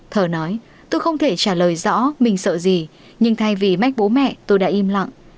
thở nói tôi không thể trả lời rõ mình sợ gì nhưng thay vì mách bố mẹ tôi đã im lặng